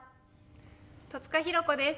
戸塚寛子です。